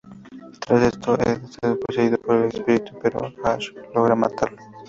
Tras esto, Ed es poseído por el espíritu, pero Ash logra matarlo.